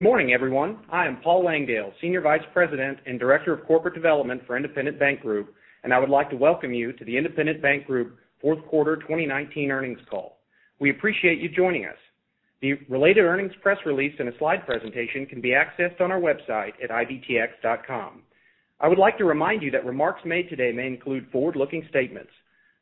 Morning, everyone. I am Paul Langdale, Senior Vice President and Director of Corporate Development for Independent Bank Group, and I would like to welcome you to the Independent Bank Group Fourth Quarter 2019 Earnings Call. We appreciate you joining us. The related earnings press release and a slide presentation can be accessed on our website at ibtx.com. I would like to remind you that remarks made today may include forward-looking statements.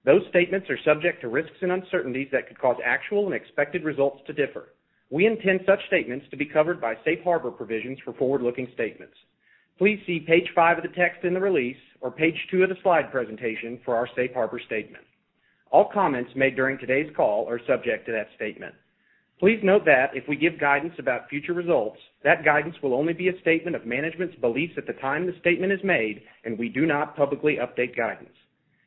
Those statements are subject to risks and uncertainties that could cause actual and expected results to differ. We intend such statements to be covered by safe harbor provisions for forward-looking statements. Please see page five of the text in the release, or page two of the slide presentation for our safe harbor statement. All comments made during today's call are subject to that statement. Please note that if we give guidance about future results, that guidance will only be a statement of management's beliefs at the time the statement is made, and we do not publicly update guidance.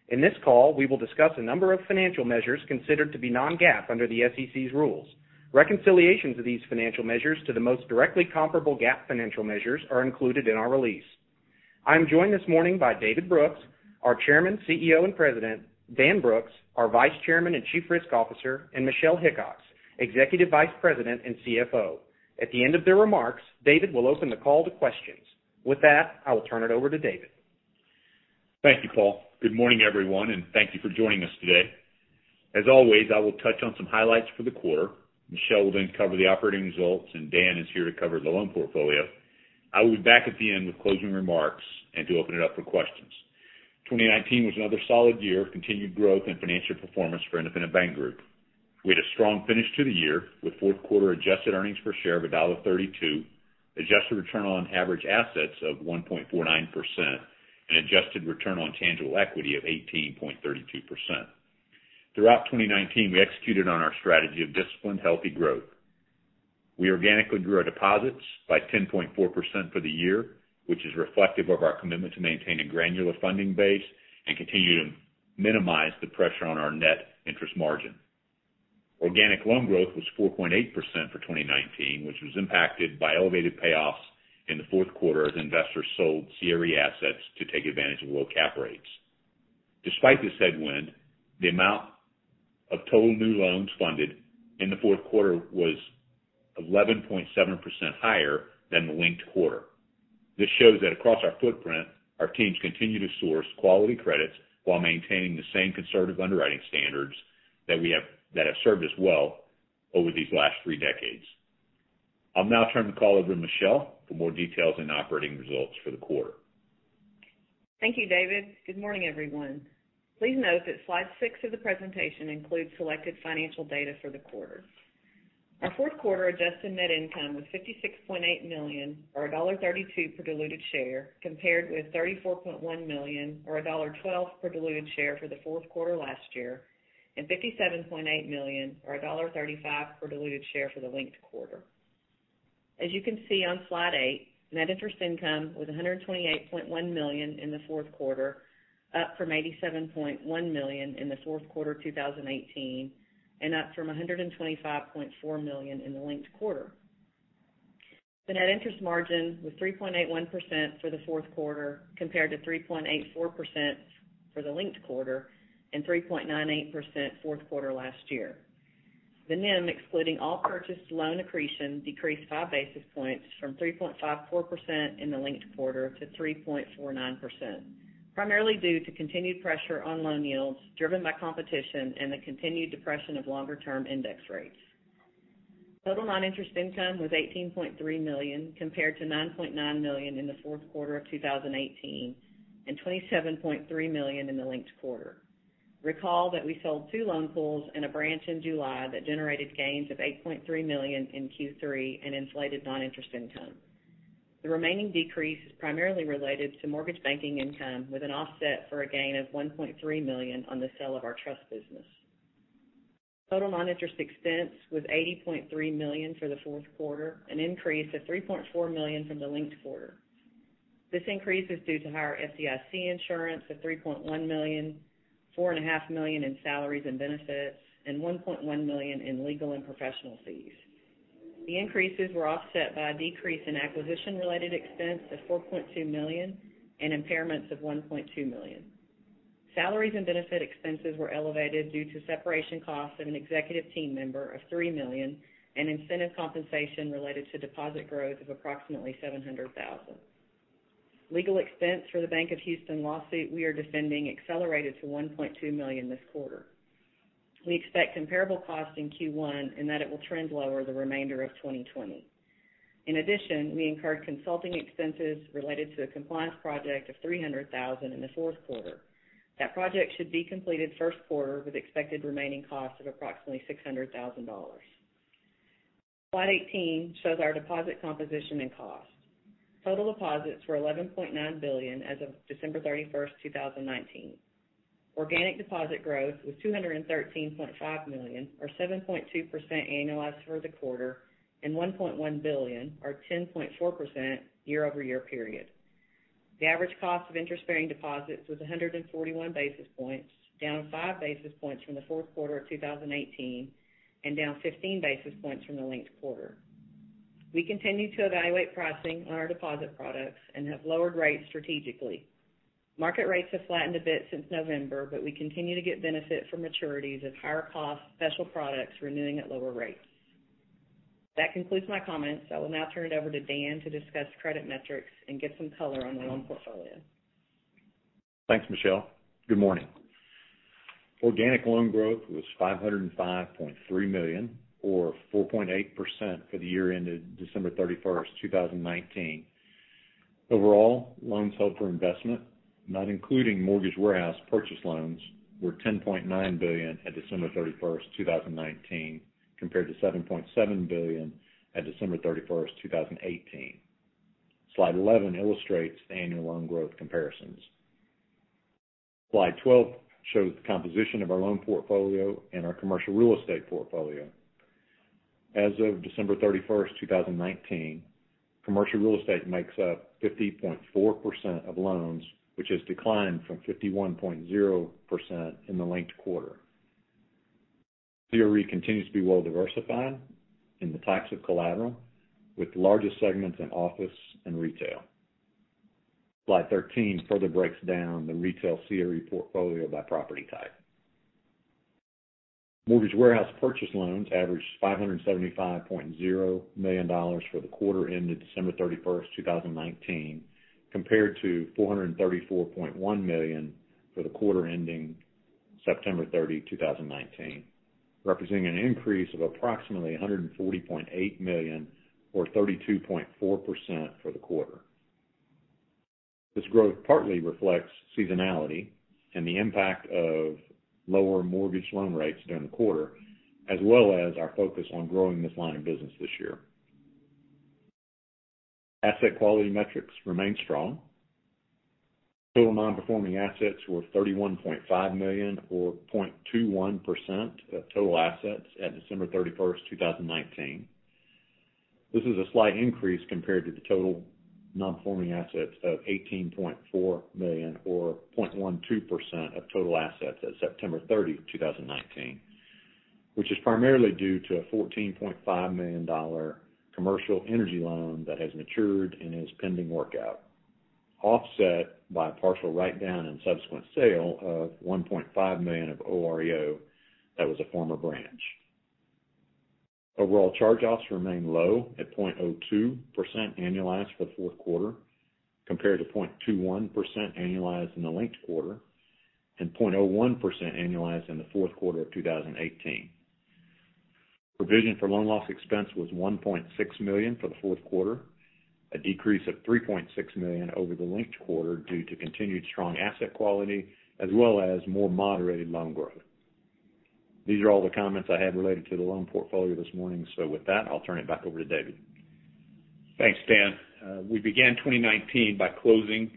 In this call, we will discuss a number of financial measures considered to be non-GAAP under the SEC's rules. Reconciliations of these financial measures to the most directly comparable GAAP financial measures are included in our release. I'm joined this morning by David Brooks, our Chairman, CEO, and President, Dan Brooks, our Vice Chairman and Chief Risk Officer, and Michelle Hickox, Executive Vice President and CFO. At the end of their remarks, David will open the call to questions. With that, I will turn it over to David. Thank you, Paul. Good morning, everyone, and thank you for joining us today. As always, I will touch on some highlights for the quarter. Michelle will then cover the operating results, and Dan is here to cover the loan portfolio. I will be back at the end with closing remarks and to open it up for questions. 2019 was another solid year of continued growth and financial performance for Independent Bank Group. We had a strong finish to the year with fourth quarter adjusted earnings per share of $1.32, adjusted return on average assets of 1.49%, and adjusted return on tangible equity of 18.32%. Throughout 2019, we executed on our strategy of disciplined, healthy growth. We organically grew our deposits by 10.4% for the year, which is reflective of our commitment to maintain a granular funding base and continue to minimize the pressure on our net interest margin. Organic loan growth was 4.8% for 2019, which was impacted by elevated payoffs in the fourth quarter as investors sold CRE assets to take advantage of low cap rates. Despite this headwind, the amount of total new loans funded in the fourth quarter was 11.7% higher than the linked quarter. This shows that across our footprint, our teams continue to source quality credits while maintaining the same conservative underwriting standards that have served us well over these last three decades. I'll now turn the call over to Michelle for more details on operating results for the quarter. Thank you, David. Good morning, everyone. Please note that slide six of the presentation includes selected financial data for the quarter. Our fourth quarter adjusted net income was $56.8 million, or $1.32 per diluted share, compared with $34.1 million or $1.12 per diluted share for the fourth quarter last year, and $57.8 million or $1.35 per diluted share for the linked quarter. As you can see on slide eight, net interest income was $128.1 million in the fourth quarter, up from $87.1 million in the fourth quarter 2018, and up from $125.4 million in the linked quarter. The net interest margin was 3.81% for the fourth quarter, compared to 3.84% for the linked quarter and 3.98% fourth quarter last year. The NIM, excluding all purchased loan accretion, decreased five basis points from 3.54% in the linked quarter to 3.49%, primarily due to continued pressure on loan yields driven by competition and the continued depression of longer-term index rates. Total non-interest income was $18.3 million, compared to $9.9 million in the fourth quarter of 2018 and $27.3 million in the linked quarter. Recall that we sold two loan pools and a branch in July that generated gains of $8.3 million in Q3 and inflated non-interest income. The remaining decrease is primarily related to mortgage banking income with an offset for a gain of $1.3 million on the sale of our trust business. Total non-interest expense was $80.3 million for the fourth quarter, an increase of $3.4 million from the linked quarter. This increase is due to higher FDIC insurance of $3.1 million, $4.5 million in salaries and benefits, and $1.1 million in legal and professional fees. The increases were offset by a decrease in acquisition-related expense of $4.2 million and impairments of $1.2 million. Salaries and benefit expenses were elevated due to separation costs of an executive team member of $3 million and incentive compensation related to deposit growth of approximately $700,000. Legal expense for the Bank of Houston lawsuit we are defending accelerated to $1.2 million this quarter. We expect comparable costs in Q1 and that it will trend lower the remainder of 2020. In addition, we incurred consulting expenses related to a compliance project of $300,000 in the fourth quarter. That project should be completed first quarter with expected remaining costs of approximately $600,000. Slide 18 shows our deposit composition and cost. Total deposits were $11.9 billion as of December 31st, 2019. Organic deposit growth was $213.5 million, or 7.2% annualized for the quarter, and $1.1 billion or 10.4% year-over-year period. The average cost of interest-bearing deposits was 141 basis points, down five basis points from the fourth quarter of 2018 and down 15 basis points from the linked quarter. We continue to evaluate pricing on our deposit products and have lowered rates strategically. Market rates have flattened a bit since November, but we continue to get benefit from maturities of higher cost special products renewing at lower rates. That concludes my comments. I will now turn it over to Dan to discuss credit metrics and give some color on the loan portfolio. Thanks, Michelle. Good morning. Organic loan growth was $505.3 million or 4.8% for the year ended December 31st, 2019. Overall, loans held for investment, not including mortgage warehouse purchase loans, were $10.9 billion at December 31st, 2019 compared to $7.7 billion at December 31st, 2018. Slide 11 illustrates annual loan growth comparisons. Slide 12 shows the composition of our loan portfolio and our commercial real estate portfolio. As of December 31st, 2019, commercial real estate makes up 50.4% of loans, which has declined from 51.0% in the linked quarter. CRE continues to be well diversified in the types of collateral, with largest segments in office and retail. Slide 13 further breaks down the retail CRE portfolio by property type. Mortgage warehouse purchase loans averaged $575.0 million for the quarter ended December 31, 2019 compared to $434.1 million for the quarter ending September 30, 2019, representing an increase of approximately $140.8 million or 32.4% for the quarter. This growth partly reflects seasonality and the impact of lower mortgage loan rates during the quarter, as well as our focus on growing this line of business this year. Asset quality metrics remain strong. Total non-performing assets were $31.5 million, or 0.21% of total assets at December 31, 2019. This is a slight increase compared to the total non-performing assets of $18.4 million or 0.12% of total assets at September 30, 2019, which is primarily due to a $14.5 million commercial energy loan that has matured and is pending workout, offset by a partial write-down and subsequent sale of $1.5 million of OREO that was a former branch. Overall charge-offs remain low at 0.02% annualized for the fourth quarter, compared to 0.21% annualized in the linked quarter and 0.01% annualized in the fourth quarter of 2018. Provision for loan loss expense was $1.6 million for the fourth quarter, a decrease of $3.6 million over the linked quarter due to continued strong asset quality as well as more moderated loan growth. These are all the comments I have related to the loan portfolio this morning. With that, I'll turn it back over to David. Thanks, Dan. We began 2019 by closing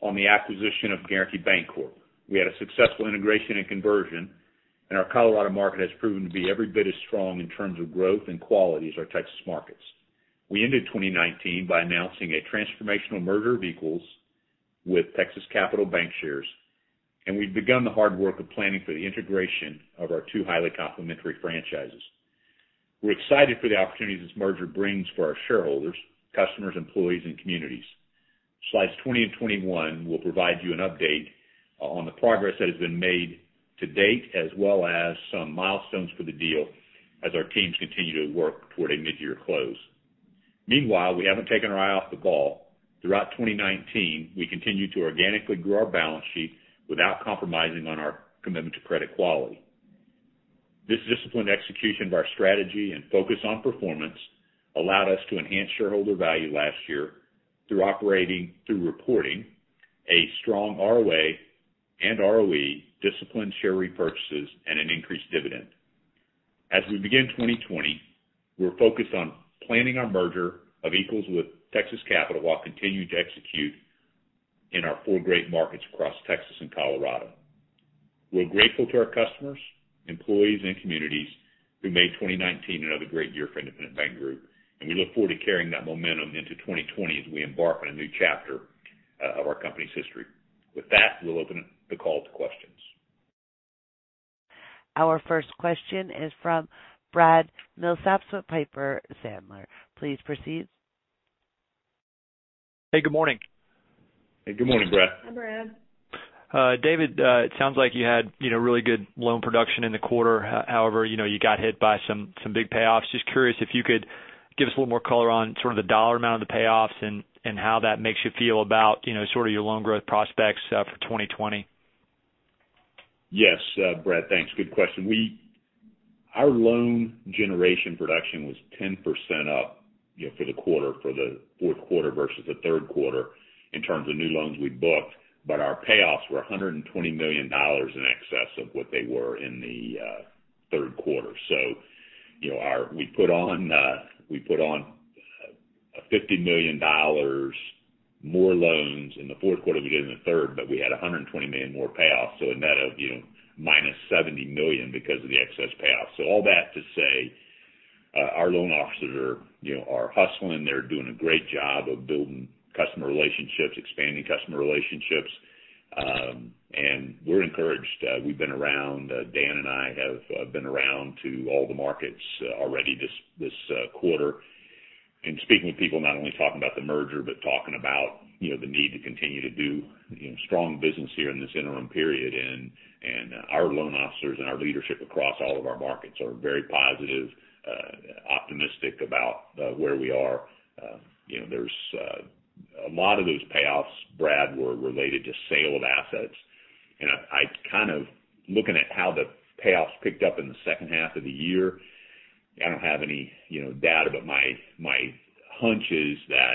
on the acquisition of Guaranty Bancorp. We had a successful integration and conversion, and our Colorado market has proven to be every bit as strong in terms of growth and quality as our Texas markets. We ended 2019 by announcing a transformational merger of equals with Texas Capital Bancshares, and we've begun the hard work of planning for the integration of our two highly complementary franchises. We're excited for the opportunities this merger brings for our shareholders, customers, employees, and communities. Slides 20 and 21 will provide you an update on the progress that has been made to date as well as some milestones for the deal as our teams continue to work toward a midyear close. Meanwhile, we haven't taken our eye off the ball. Throughout 2019, we continued to organically grow our balance sheet without compromising on our commitment to credit quality. This disciplined execution of our strategy and focus on performance allowed us to enhance shareholder value last year through reporting a strong ROA and ROE, disciplined share repurchases, and an increased dividend. As we begin 2020, we're focused on planning our merger of equals with Texas Capital while continuing to execute in our four great markets across Texas and Colorado. We're grateful to our customers, employees, and communities who made 2019 another great year for Independent Bank Group, and we look forward to carrying that momentum into 2020 as we embark on a new chapter of our company's history. With that, we'll open the call to questions. Our first question is from Brad Milsaps with Piper Sandler. Please proceed. Hey, good morning. Hey, good morning, Brad. Hi, Brad. David, it sounds like you had really good loan production in the quarter. You got hit by some big payoffs. Just curious if you could give us a little more color on sort of the dollar amount of the payoffs and how that makes you feel about sort of your loan growth prospects for 2020. Yes. Brad, thanks. Good question. Our loan generation production was 10% up for the quarter, for the fourth quarter versus the third quarter in terms of new loans we booked, but our payoffs were $120 million in excess of what they were in the third quarter. We put on $50 million more loans in the fourth quarter than we did in the third, but we had $120 million more payoffs, so a net of -$70 million because of the excess payoffs. All that to say, our loan officers are hustling. They're doing a great job of building customer relationships, expanding customer relationships. We're encouraged. Dan and I have been around to all the markets already this quarter and speaking with people, not only talking about the merger, but talking about the need to continue to do strong business here in this interim period. Our loan officers and our leadership across all of our markets are very positive, optimistic about where we are. A lot of those payoffs, Brad, were related to sale of assets. Looking at how the payoffs picked up in the second half of the year, I don't have any data, but my hunch is that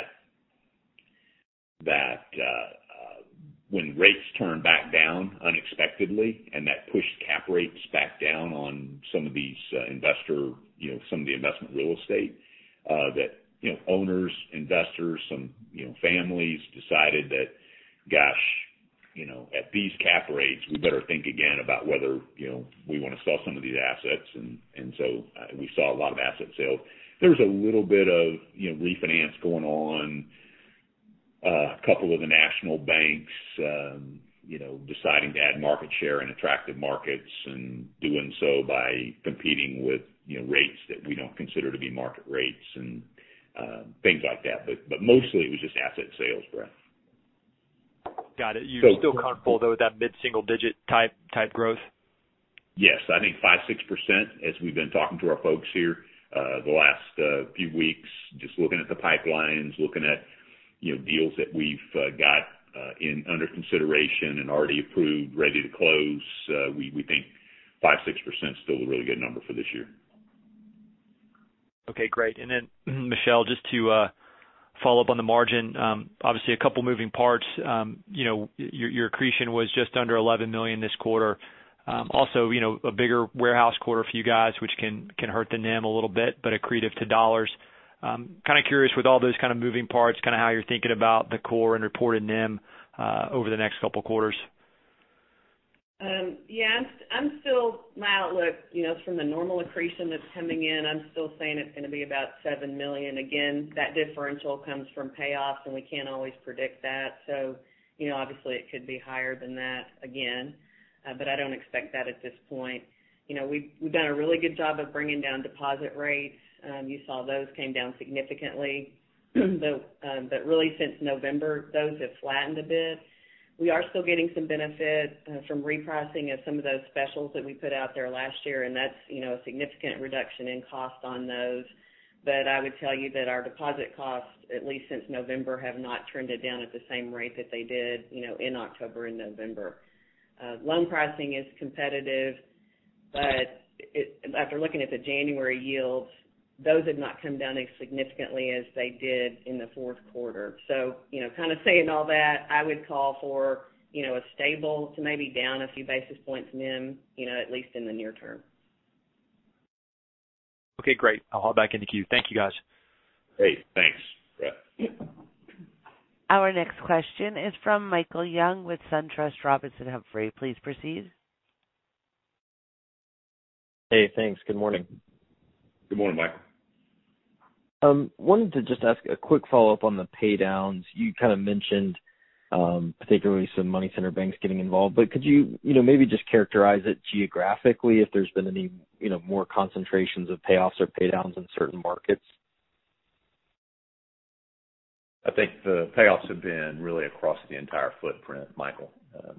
when rates turn back down unexpectedly and that pushed cap rates back down on some of the investment real estate, that owners, investors, some families decided that, gosh, at these cap rates, we better think again about whether we want to sell some of these assets. So we saw a lot of asset sale. There was a little bit of refinance going on. A couple of the national banks deciding to add market share in attractive markets and doing so by competing with rates that we don't consider to be market rates and things like that. Mostly it was just asset sales, Brad. Got it. You're still comfortable though with that mid-single digit type growth? Yes, I think 5%-6%, as we've been talking to our folks here the last few weeks, just looking at the pipelines, looking at deals that we've got under consideration and already approved, ready to close. We think 5%-6% is still a really good number for this year. Okay, great. Then Michelle, just to follow up on the margin. Obviously a couple moving parts. Your accretion was just under $11 million this quarter. Also, a bigger warehouse quarter for you guys, which can hurt the NIM a little bit, but accretive to dollars. Curious with all those kind of moving parts, how you're thinking about the core and reported NIM over the next couple of quarters. Yeah. My outlook, from the normal accretion that's coming in, I'm still saying it's going to be about $7 million. Again, that differential comes from payoffs, and we can't always predict that. Obviously it could be higher than that again. I don't expect that at this point. We've done a really good job of bringing down deposit rates. You saw those came down significantly. Really since November, those have flattened a bit. We are still getting some benefit from repricing of some of those specials that we put out there last year, and that's a significant reduction in cost on those. I would tell you that our deposit costs, at least since November, have not trended down at the same rate that they did in October and November. Loan pricing is competitive, but after looking at the January yields, those have not come down as significantly as they did in the fourth quarter. Saying all that, I would call for a stable to maybe down a few basis points NIM, at least in the near term. Okay, great. I'll hop back in the queue. Thank you guys. Great, thanks. Yeah. Our next question is from Michael Young with SunTrust Robinson Humphrey. Please proceed. Hey, thanks. Good morning. Good morning, Michael. Wanted to just ask a quick follow-up on the paydowns. You kind of mentioned, particularly some money center banks getting involved, but could you maybe just characterize it geographically if there's been any more concentrations of payoffs or paydowns in certain markets? I think the payoffs have been really across the entire footprint, Michael.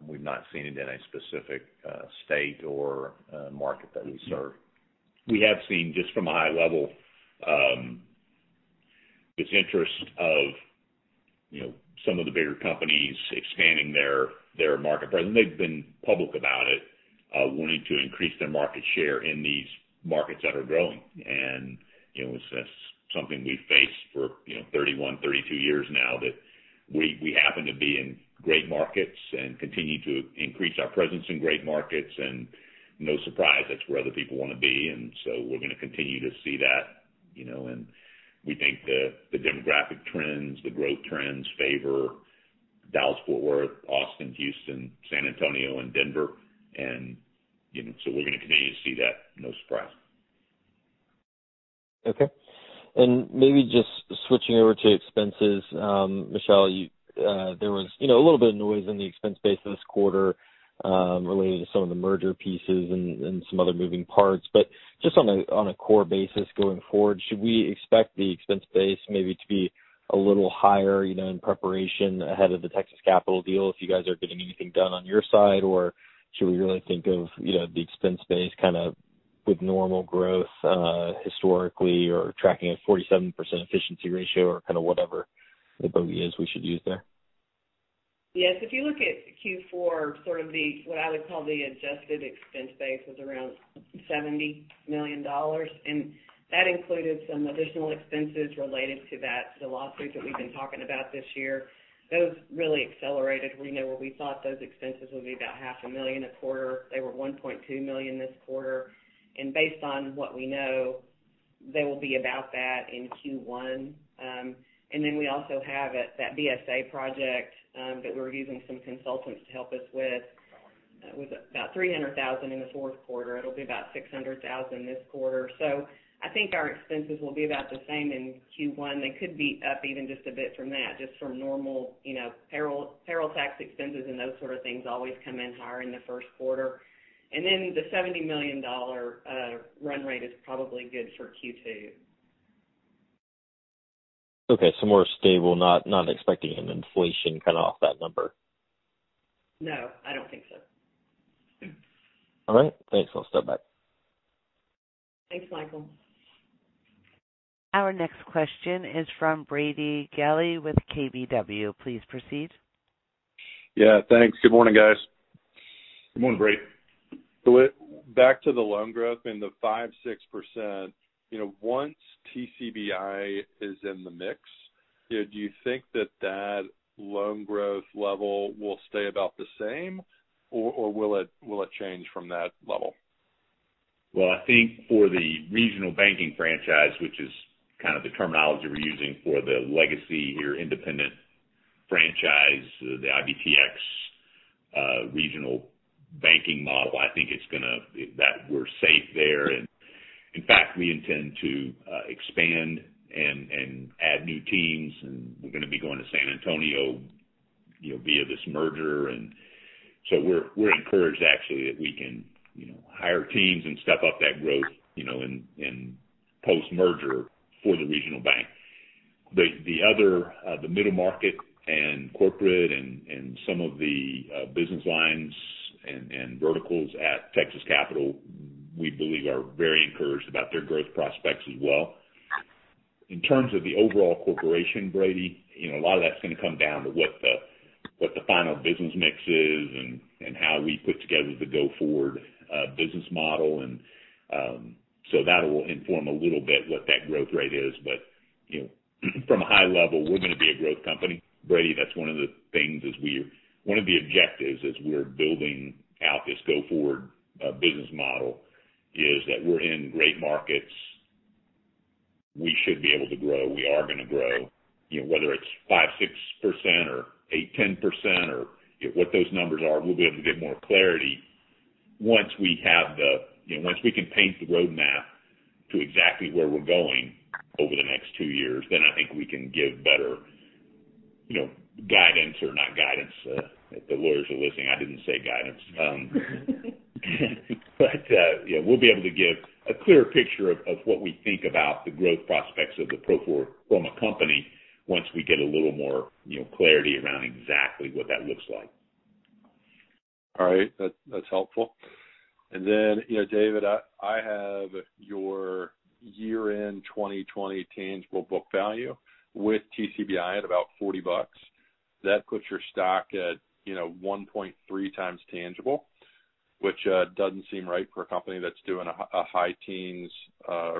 We've not seen it in a specific state or market that we serve. We have seen, just from a high level, this interest of some of the bigger companies expanding their market presence. They've been public about it, wanting to increase their market share in these markets that are growing. That's something we've faced for 31, 32 years now, that we happen to be in great markets and continue to increase our presence in great markets. No surprise, that's where other people want to be. We're going to continue to see that. We think the demographic trends, the growth trends favor Dallas-Fort Worth, Austin, Houston, San Antonio and Denver. We're going to continue to see that, no surprise. Okay. Maybe just switching over to expenses. Michelle, there was a little bit of noise in the expense base this quarter related to some of the merger pieces and some other moving parts. Just on a core basis going forward, should we expect the expense base maybe to be a little higher in preparation ahead of the Texas Capital deal if you guys are getting anything done on your side? Should we really think of the expense base with normal growth historically or tracking a 47% efficiency ratio or kind of whatever the bogey is we should use there? Yes. If you look at Q4, sort of what I would call the adjusted expense base was around $70 million. That included some additional expenses related to the lawsuits that we've been talking about this year. Those really accelerated. We thought those expenses would be about half a million a quarter, they were $1.2 million this quarter. Based on what we know, they will be about that in Q1. Then we also have that BSA project that we're using some consultants to help us with. It was about $300,000 in the fourth quarter. It'll be about $600,000 this quarter. I think our expenses will be about the same in Q1. They could be up even just a bit from that, just from normal payroll tax expenses and those sort of things always come in higher in the first quarter. The $70 million run rate is probably good for Q2. Okay, more stable, not expecting an inflation cut off that number. No, I don't think so. All right, thanks. I'll step back. Thanks, Michael. Our next question is from Brady Gailey with KBW. Please proceed. Thanks. Good morning, guys. Good morning, Brady. Back to the loan growth and the 5%, 6%. Once TCBI is in the mix, do you think that that loan growth level will stay about the same, or will it change from that level? Well, I think for the regional banking franchise, which is kind of the terminology we're using for the legacy or Independent franchise, the IBTX regional banking model, I think that we're safe there. In fact, we intend to expand and add new teams, and we're going to be going to San Antonio via this merger. We're encouraged actually that we can hire teams and step up that growth in post-merger for the regional bank. The middle market and corporate and some of the business lines and verticals at Texas Capital, we believe are very encouraged about their growth prospects as well. In terms of the overall corporation, Brady, a lot of that's going to come down to what the final business mix is and how we put together the go-forward business model. That will inform a little bit what that growth rate is. From a high level, we're going to be a growth company. Brady, that's one of the objectives as we're building out this go-forward business model, is that we're in great markets. We should be able to grow. We are going to grow. Whether it's 5%, 6%, or 8%, 10%, or what those numbers are, we'll be able to get more clarity once we can paint the roadmap to exactly where we're going over the next two years. I think we can give better guidance, or not guidance. If the lawyers are listening, I didn't say guidance. We'll be able to give a clearer picture of what we think about the growth prospects of the pro forma company once we get a little more clarity around exactly what that looks like. All right. That's helpful. David, I have your year-end 2020 tangible book value with TCBI at about $40. That puts your stock at 1.3x tangible, which doesn't seem right for a company that's doing a high teens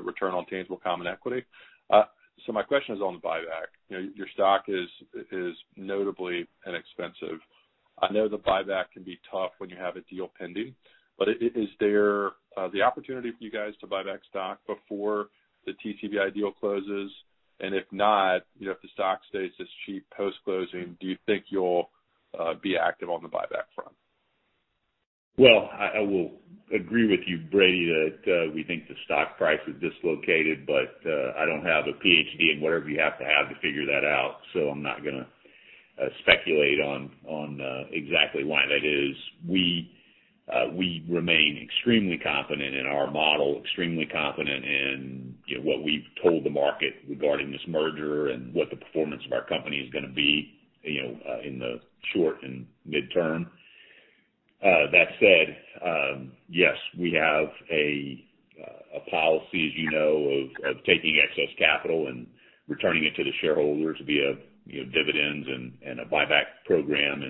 return on tangible common equity. My question is on the buyback. Your stock is notably inexpensive. I know the buyback can be tough when you have a deal pending, is there the opportunity for you guys to buy back stock before the TCBI deal closes? If not, if the stock stays this cheap post-closing, do you think you'll be active on the buyback front? I will agree with you, Brady, that we think the stock price is dislocated, but I don't have a PhD in whatever you have to have to figure that out. I'm not going to speculate on exactly why that is. We remain extremely confident in our model, extremely confident in what we've told the market regarding this merger and what the performance of our company is going to be in the short and mid-term. That said, yes, we have a policy, as you know, of taking excess capital and returning it to the shareholders via dividends and a buyback program.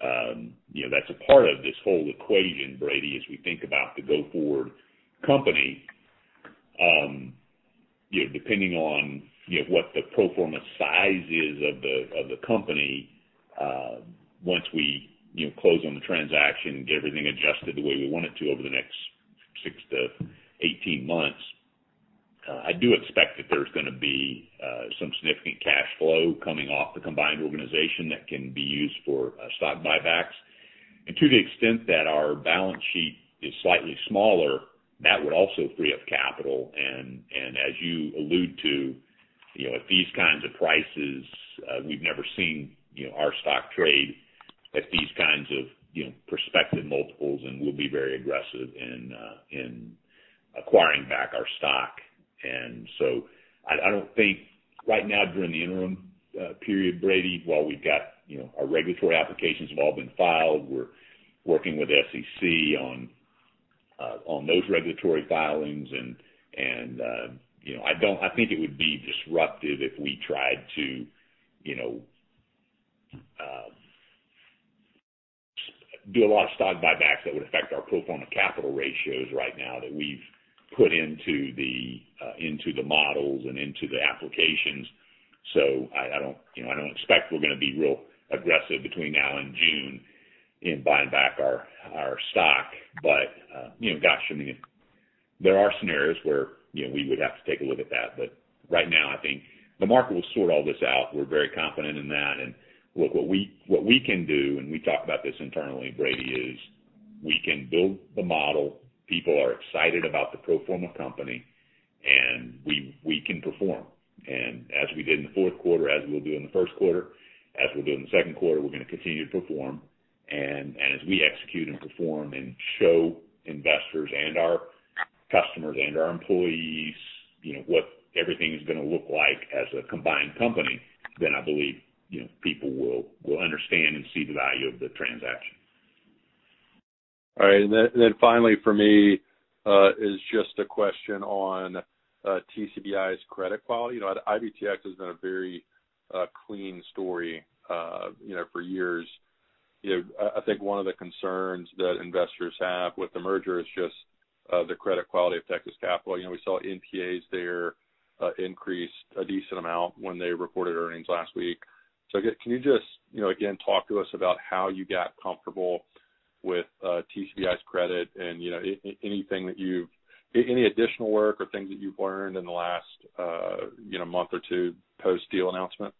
That's a part of this whole equation, Brady, as we think about the go-forward company. Depending on what the pro forma size is of the company once we close on the transaction, get everything adjusted the way we want it to over the next six to 18 months, I do expect that there's going to be some significant cash flow coming off the combined organization that can be used for stock buybacks. To the extent that our balance sheet is slightly smaller, that would also free up capital. As you allude to, at these kinds of prices, we've never seen our stock trade at these kinds of prospective multiples and we'll be very aggressive in acquiring back our stock. I don't think right now during the interim period, Brady, while we've got our regulatory applications have all been filed, we're working with SEC on those regulatory filings, and I think it would be disruptive if we tried to do a lot of stock buybacks that would affect our pro forma capital ratios right now that we've put into the models and into the applications. I don't expect we're going to be real aggressive between now and June in buying back our stock. Gosh, I mean, there are scenarios where we would have to take a look at that. Right now, I think the market will sort all this out. We're very confident in that. What we can do, and we talk about this internally, Brady, is we can build the model. People are excited about the pro forma company, and we can perform. As we did in the fourth quarter, as we'll do in the first quarter, as we'll do in the second quarter, we're going to continue to perform. As we execute and perform and show investors and our customers and our employees what everything's going to look like as a combined company, then I believe people will understand and see the value of the transaction. All right. Finally for me is just a question on TCBI's credit quality. IBTX has been a very clean story for years. I think one of the concerns that investors have with the merger is just the credit quality of Texas Capital. We saw NPAs there increase a decent amount when they reported earnings last week. Can you just again talk to us about how you got comfortable with TCBI's credit and any additional work or things that you've learned in the last month or two post-deal announcement?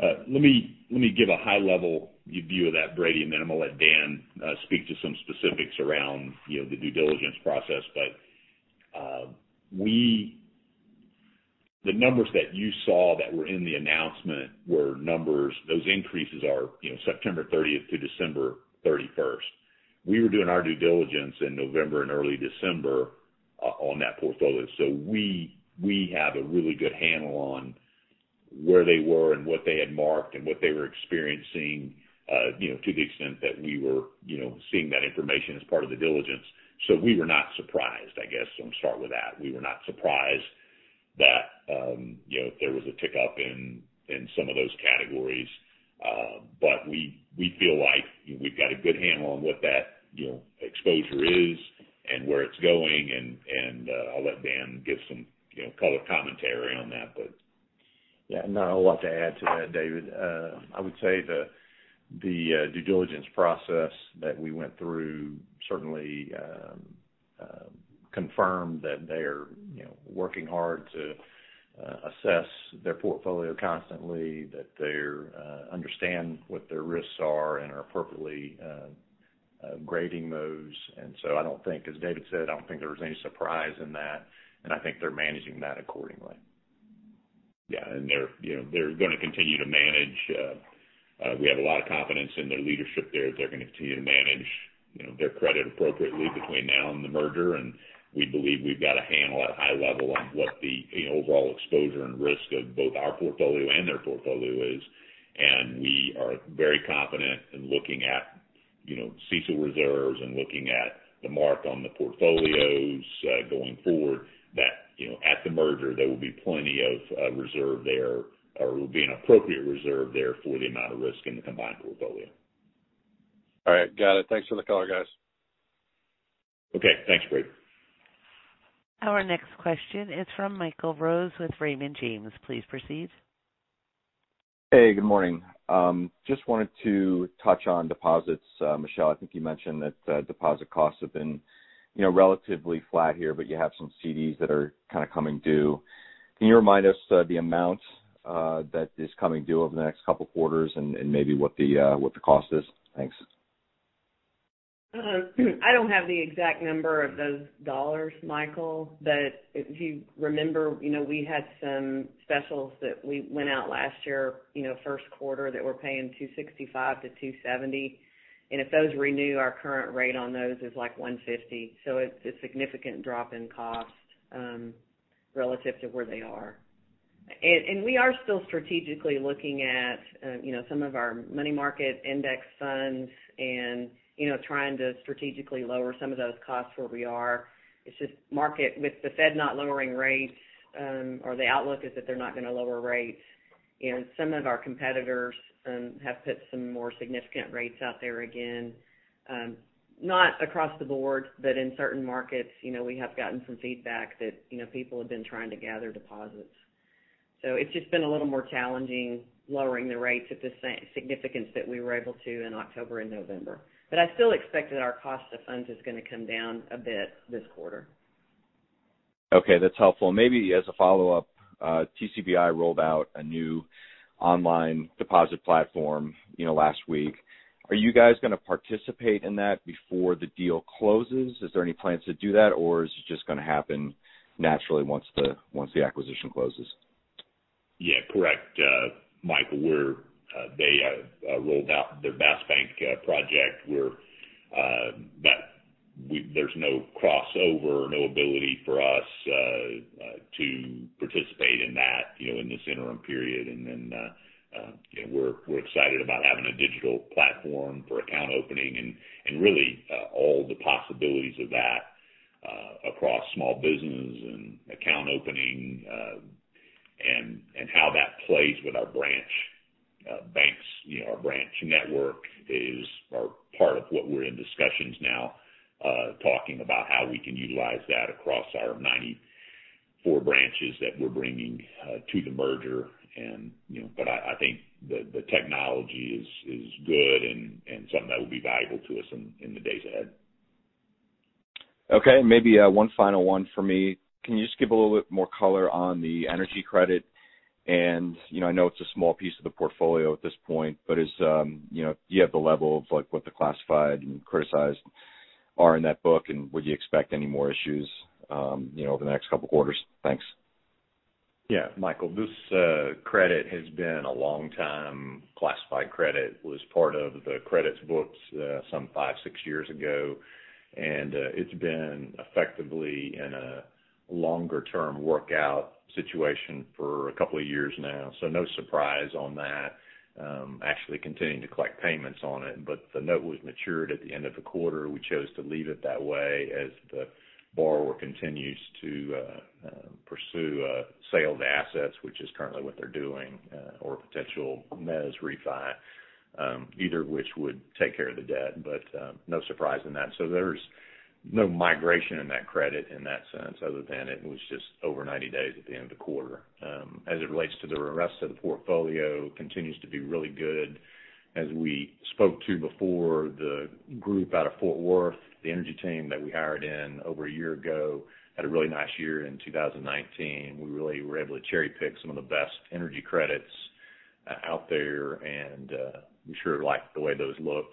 Let me give a high-level view of that, Brady, and then I'm going to let Dan speak to some specifics around the due diligence process. The numbers that you saw that were in the announcement, those increases are September 30th to December 31st. We were doing our due diligence in November and early December on that portfolio. We have a really good handle on where they were and what they had marked and what they were experiencing, to the extent that we were seeing that information as part of the diligence. We were not surprised, I guess, so I'll start with that. We were not surprised that there was a tick up in some of those categories. We feel like we've got a good handle on what that exposure is and where it's going, and I'll let Dan give some color commentary on that. Yeah, not a lot to add to that, David. I would say the due diligence process that we went through certainly confirmed that they are working hard to assess their portfolio constantly, that they understand what their risks are and are appropriately grading those. I don't think, as David said, I don't think there was any surprise in that, and I think they're managing that accordingly. Yeah. They're going to continue to manage. We have a lot of confidence in their leadership there that they're going to continue to manage their credit appropriately between now and the merger. We believe we've got a handle at a high level on what the overall exposure and risk of both our portfolio and their portfolio is. We are very confident in looking at CECL reserves and looking at the mark on the portfolios going forward that at the merger, there will be plenty of reserve there, or will be an appropriate reserve there for the amount of risk in the combined portfolio. All right. Got it. Thanks for the color, guys. Okay. Thanks, Brady. Our next question is from Michael Rose with Raymond James. Please proceed. Hey, good morning. Just wanted to touch on deposits. Michelle, I think you mentioned that deposit costs have been relatively flat here, but you have some CDs that are kind of coming due. Can you remind us the amount that is coming due over the next couple of quarters and maybe what the cost is? Thanks. I don't have the exact number of those dollars, Michael, but if you remember, we had some specials that we went out last year first quarter that were paying 265%-270%, and if those renew, our current rate on those is like 150%. It's a significant drop in cost relative to where they are. We are still strategically looking at some of our money market index funds and trying to strategically lower some of those costs where we are. It's just market with the Fed not lowering rates, or the outlook is that they're not going to lower rates, and some of our competitors have put some more significant rates out there again. Not across the board, but in certain markets, we have gotten some feedback that people have been trying to gather deposits. It's just been a little more challenging lowering the rates at the significance that we were able to in October and November. I still expect that our cost of funds is going to come down a bit this quarter. Okay, that's helpful. Maybe as a follow-up, TCBI rolled out a new online deposit platform last week. Are you guys going to participate in that before the deal closes? Is there any plans to do that, or is it just going to happen naturally once the acquisition closes? Correct, Michael. They rolled out their Bask Bank project. There's no crossover, no ability for us to participate in that in this interim period. We're excited about having a digital platform for account opening and really all the possibilities of that across small business and account opening and how that plays with our branch banks. Our branch network is part of what we're in discussions now, talking about how we can utilize that across our 94 branches that we're bringing to the merger, but I think the technology is good and something that will be valuable to us in the days ahead. Okay, maybe one final one for me. Can you just give a little bit more color on the energy credit? I know it's a small piece of the portfolio at this point, but do you have the level of what the classified and criticized are in that book, and would you expect any more issues over the next couple of quarters? Thanks. Michael, this credit has been a long time classified credit. Was part of the credits books some five, six years ago. It's been effectively in a longer-term workout situation for a couple of years now. No surprise on that. Actually continuing to collect payments on it. The note was matured at the end of the quarter. We chose to leave it that way as the borrower continues to pursue sale of assets, which is currently what they're doing, or a potential mezz refi, either of which would take care of the debt. No surprise in that. There's no migration in that credit in that sense other than it was just over 90 days at the end of the quarter. As it relates to the rest of the portfolio, continues to be really good. As we spoke to before, the group out of Fort Worth, the energy team that we hired in over a year ago, had a really nice year in 2019. We really were able to cherry-pick some of the best energy credits out there, and we sure like the way those look,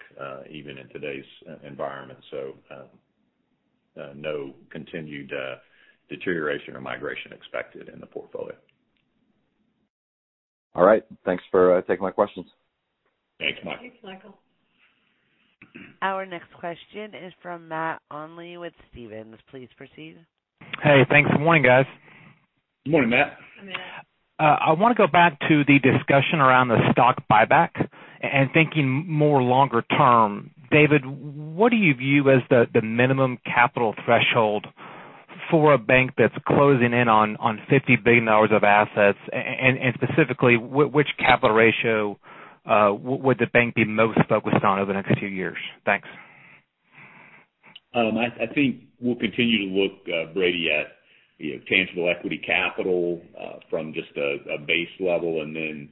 even in today's environment. No continued deterioration or migration expected in the portfolio. All right. Thanks for taking my questions. Thanks, Michael. Thanks, Michael. Our next question is from Matt Olney with Stephens. Please proceed. Hey, thanks. Good morning, guys. Good morning, Matt. Good morning. I want to go back to the discussion around the stock buyback and thinking more longer term. David, what do you view as the minimum capital threshold for a bank that's closing in on $50 billion of assets? Specifically, which capital ratio would the bank be most focused on over the next few years? Thanks. I think we'll continue to look, Brady, at tangible equity capital from just a base level, and then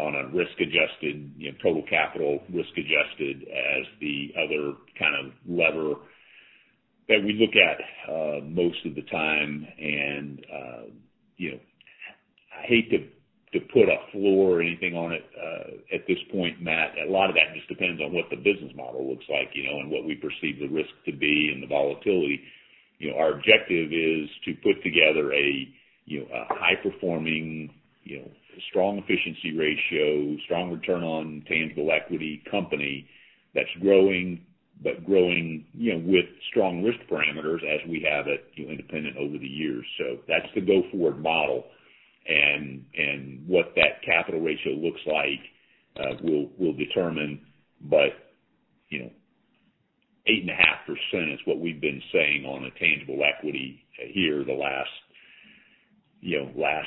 on a risk-adjusted, total capital risk-adjusted as the other kind of lever that we look at most of the time. I hate to put a floor or anything on it at this point, Matt. A lot of that just depends on what the business model looks like, and what we perceive the risk to be and the volatility. Our objective is to put together a high-performing, strong efficiency ratio, strong return on tangible equity company that's growing, but growing with strong risk parameters as we have at Independent over the years. That's the go-forward model. What that capital ratio looks like, we'll determine, but 8.5% is what we've been saying on a tangible equity here the last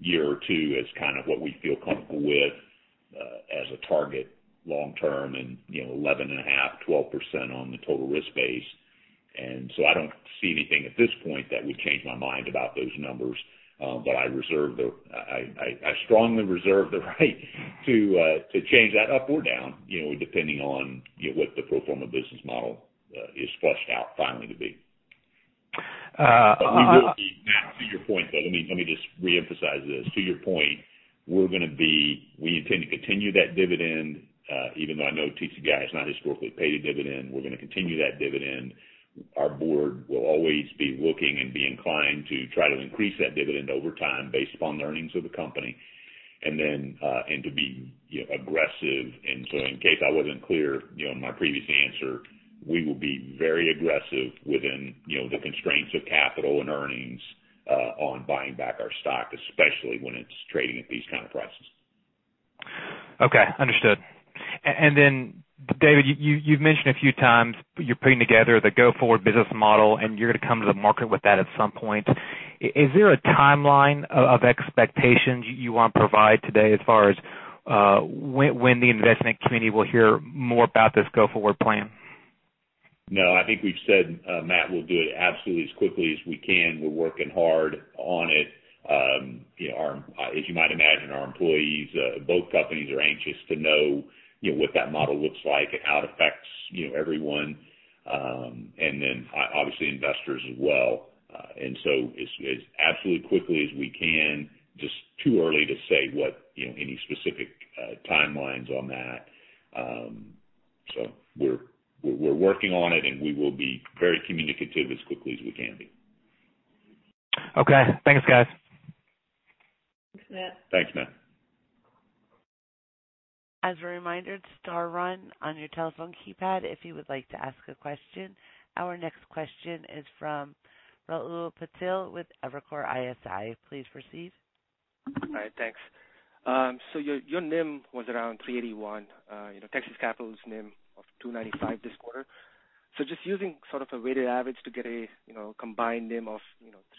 year or two as kind of what we feel comfortable with as a target long term. 11.5%-12% on the total risk base. I don't see anything at this point that would change my mind about those numbers. I strongly reserve the right to change that up or down, depending on what the full form of business model is fleshed out finally to be. We will be, Matt, to your point, though, let me just reemphasize this. To your point, we intend to continue that dividend, even though I know TCBI has not historically paid a dividend, we're going to continue that dividend. Our board will always be looking and be inclined to try to increase that dividend over time based upon the earnings of the company and to be aggressive. In case I wasn't clear in my previous answer, we will be very aggressive within the constraints of capital and earnings on buying back our stock, especially when it's trading at these kind of prices. Okay. Understood. Then David, you've mentioned a few times you're putting together the go-forward business model, and you're going to come to the market with that at some point. Is there a timeline of expectations you want to provide today as far as when the investment community will hear more about this go-forward plan? I think we've said, Matt, we'll do it absolutely as quickly as we can. We're working hard on it. As you might imagine, our employees at both companies are anxious to know what that model looks like, how it affects everyone, obviously investors as well. As absolutely quickly as we can, just too early to say any specific timelines on that. We're working on it, and we will be very communicative as quickly as we can be. Okay. Thanks, guys. Thanks, Matt. Thanks, Matt. As a reminder, star one on your telephone keypad if you would like to ask a question. Our next question is from Rahul Patil with Evercore ISI. Please proceed. All right, thanks. Your NIM was around 3.81%, Texas Capital's NIM of 2.95% this quarter. Just using sort of a weighted average to get a combined NIM of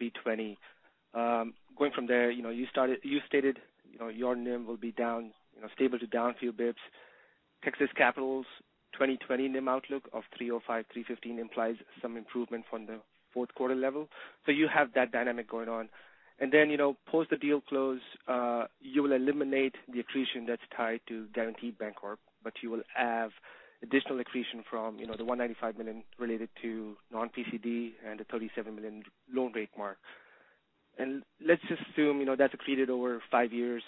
3.20%. Going from there, you stated your NIM will be stable to down a few bips. Texas Capital's 2020 NIM outlook of 3.05%-3.15% implies some improvement from the fourth quarter level. You have that dynamic going on. Post the deal close, you will eliminate the accretion that's tied to Guaranty Bancorp. You will have additional accretion from the $195 million related to non-PCD and the $37 million loan rate mark. Let's assume, that's accreted over five years,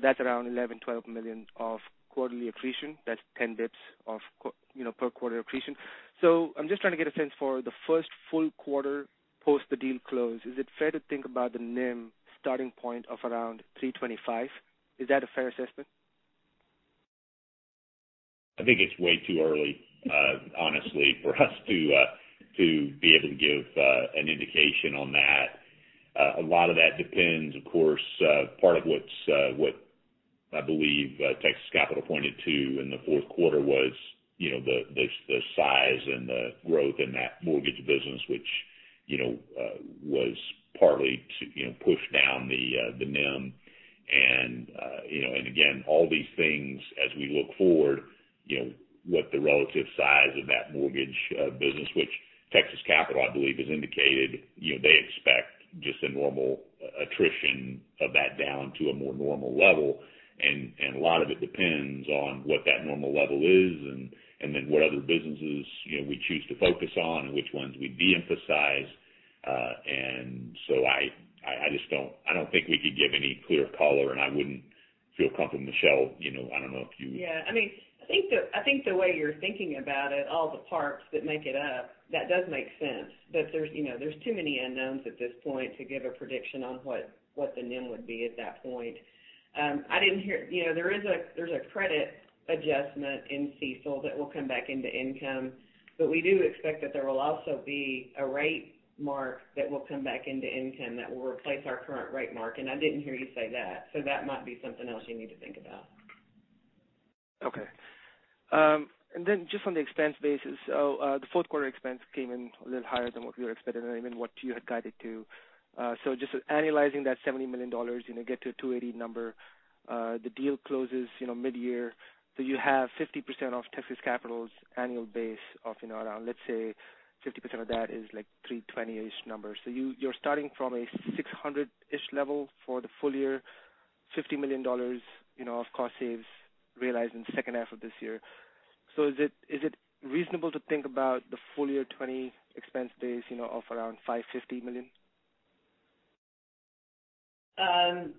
that's around $11 million, $12 million of quarterly accretion. That's 10 basis points per quarter accretion. I'm just trying to get a sense for the first full quarter post the deal close. Is it fair to think about the NIM starting point of around 3.25%? Is that a fair assessment? I think it's way too early, honestly, for us to be able to give an indication on that. A lot of that depends, of course, part of what I believe Texas Capital pointed to in the fourth quarter was the size and the growth in that mortgage business, which was partly to push down the NIM. Again, all these things as we look forward, what the relative size of that mortgage business, which Texas Capital, I believe, has indicated they expect just a normal attrition of that down to a more normal level. A lot of it depends on what that normal level is and then what other businesses we choose to focus on and which ones we de-emphasize. I don't think we could give any clear color, and I wouldn't feel comfortable. Michelle, I don't know if you. Yeah. I think the way you're thinking about it, all the parts that make it up, that does make sense. There's too many unknowns at this point to give a prediction on what the NIM would be at that point. There is a credit adjustment in CECL that will come back into income. We do expect that there will also be a rate mark that will come back into income that will replace our current rate mark. I didn't hear you say that, so that might be something else you need to think about. Okay. Then just on the expense basis, the fourth quarter expense came in a little higher than what we were expecting and even what you had guided to. Just annualizing that $70 million, get to a $280 million. The deal closes mid-year, you have 50% of Texas Capital's annual base of around, let's say, 50% of that is like $320 million-ish. You're starting from a $600 million-ish level for the full year, $50 million of cost saves realized in the second half of this year. Is it reasonable to think about the full year 2020 expense base of around $550 million? I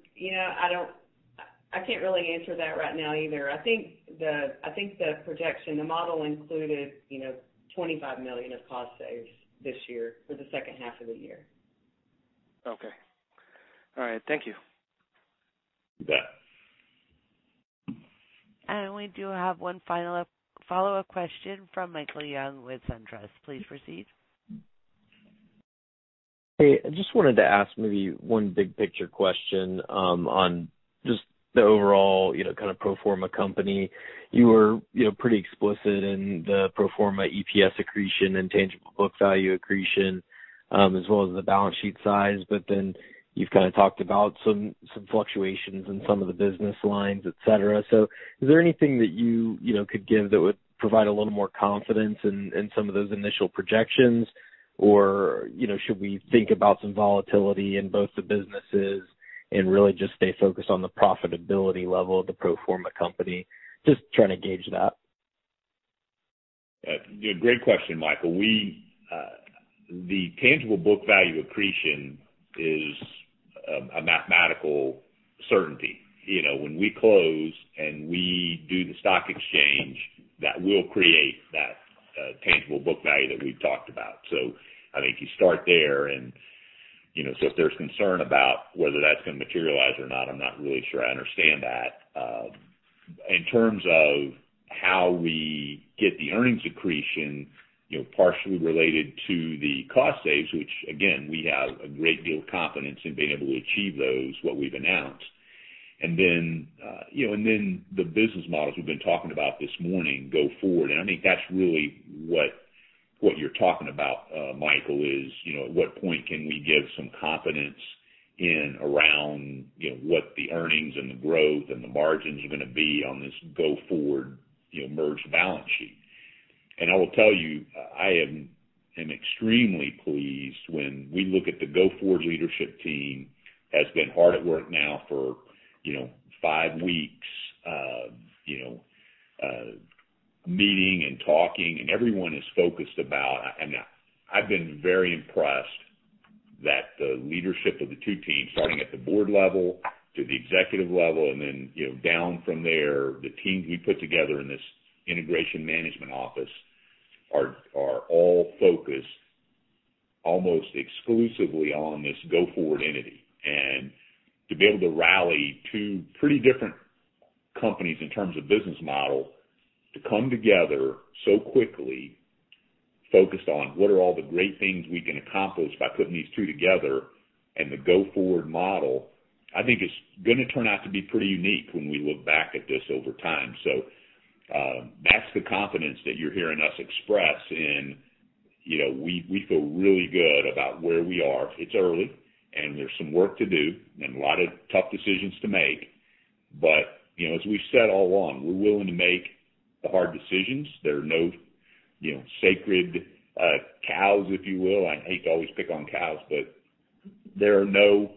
can't really answer that right now either. I think the projection, the model included, $25 million of cost saves this year for the second half of the year. Okay. All right. Thank you. You bet. We do have one follow-up question from Michael Young with SunTrust. Please proceed. Hey, I just wanted to ask maybe one big picture question on just the overall pro forma company. You were pretty explicit in the pro forma EPS accretion and tangible book value accretion, as well as the balance sheet size. You've kind of talked about some fluctuations in some of the business lines, et cetera. Is there anything that you could give that would provide a little more confidence in some of those initial projections? Should we think about some volatility in both the businesses and really just stay focused on the profitability level of the pro forma company? Just trying to gauge that. Yeah, great question, Michael. The tangible book value accretion is a mathematical certainty. When we close and we do the stock exchange, that will create that tangible book value that we've talked about. I think you start there and if there's concern about whether that's going to materialize or not, I'm not really sure I understand that. In terms of how we get the earnings accretion, partially related to the cost saves, which again, we have a great deal of confidence in being able to achieve those, what we've announced. The business models we've been talking about this morning go forward. I think that's really what you're talking about, Michael, is at what point can we give some confidence in around what the earnings and the growth and the margins are going to be on this go-forward merged balance sheet. I will tell you, I am extremely pleased when we look at the go-forward leadership team, has been hard at work now for five weeks, meeting and talking, everyone is focused. I've been very impressed that the leadership of the two teams, starting at the board level to the executive level, and then down from there. The team we put together in this integration management office are all focused almost exclusively on this go-forward entity. To be able to rally two pretty different companies in terms of business model to come together so quickly, focused on what are all the great things we can accomplish by putting these two together and the go-forward model. I think it's going to turn out to be pretty unique when we look back at this over time. The confidence that you're hearing us express in, we feel really good about where we are. It's early, and there's some work to do, and a lot of tough decisions to make. As we've said all along, we're willing to make the hard decisions. There are no sacred cows, if you will. I hate to always pick on cows, but there are no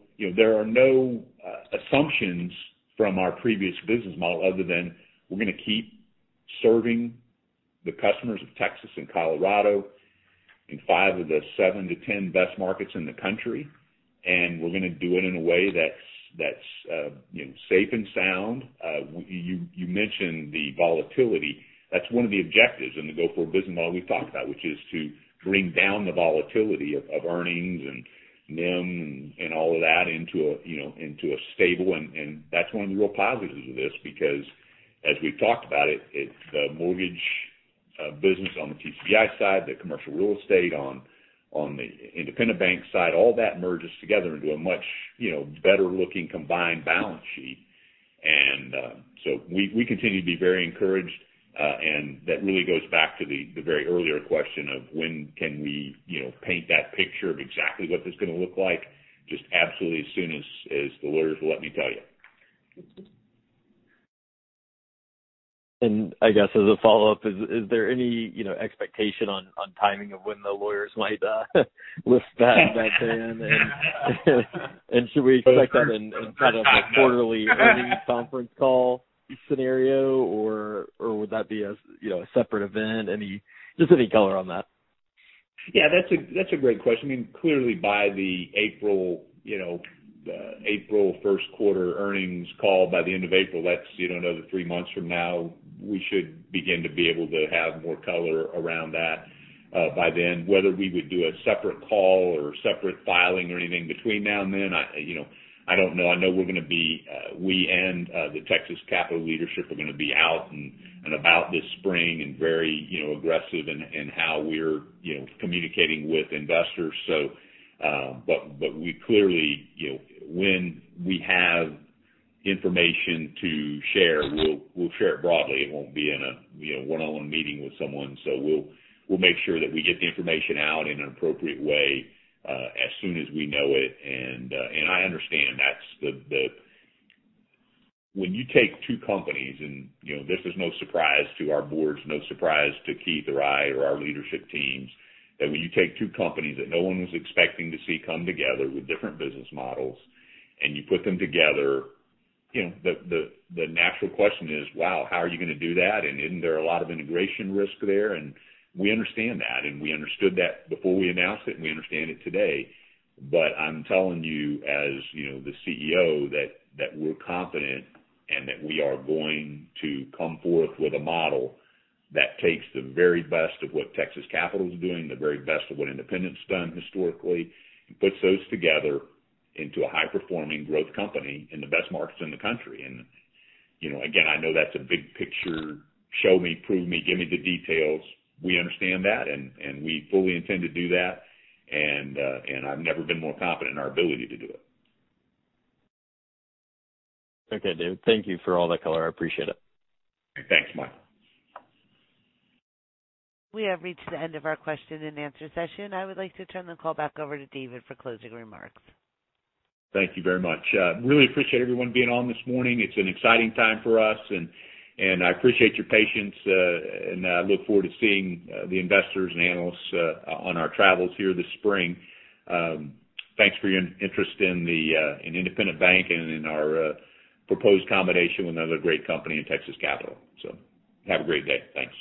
assumptions from our previous business model other than we're going to keep serving the customers of Texas and Colorado in five of the seven to 10 best markets in the country. We're going to do it in a way that's safe and sound. You mentioned the volatility. That's one of the objectives in the go-forward business model we've talked about, which is to bring down the volatility of earnings and NIM, and all of that into a stable. That's one of the real positives of this, because as we've talked about it's the mortgage business on the TCBI side, the commercial real estate on the Independent Bank side, all that merges together into a much better-looking combined balance sheet. We continue to be very encouraged. That really goes back to the very earlier question of when can we paint that picture of exactly what this is going to look like? Just absolutely as soon as the lawyers will let me tell you. I guess as a follow-up, is there any expectation on timing of when the lawyers might lift that ban? Should we expect that in kind of a quarterly earnings conference call scenario, or would that be a separate event? Just any color on that? Yeah, that's a great question. By the April First Quarter earnings Call, by the end of April, that's another three months from now, we should begin to be able to have more color around that by then. Whether we would do a separate call or a separate filing or anything between now and then, I don't know. I know we and the Texas Capital leadership are going to be out and about this spring and very aggressive in how we're communicating with investors. We clearly, when we have information to share, we'll share it broadly. It won't be in a one-on-one meeting with someone. We'll make sure that we get the information out in an appropriate way as soon as we know it. I understand that when you take two companies, and this is no surprise to our boards, no surprise to Keith or I or our leadership teams, that when you take two companies that no one was expecting to see come together with different business models and you put them together, the natural question is, wow, how are you going to do that? Isn't there a lot of integration risk there? We understand that, and we understood that before we announced it, and we understand it today. I'm telling you, as the CEO, that we're confident and that we are going to come forth with a model that takes the very best of what Texas Capital is doing, the very best of what Independent's done historically, and puts those together into a high-performing growth company in the best markets in the country. Again, I know that's a big picture. Show me, prove me, give me the details. We understand that, and we fully intend to do that. I've never been more confident in our ability to do it. Okay, David. Thank you for all that color. I appreciate it. Thanks, Mike. We have reached the end of our question-and-answer session. I would like to turn the call back over to David for closing remarks. Thank you very much. Really appreciate everyone being on this morning. It's an exciting time for us. I appreciate your patience. I look forward to seeing the investors and analysts on our travels here this spring. Thanks for your interest in Independent Bank and in our proposed combination with another great company in Texas Capital. Have a great day. Thanks.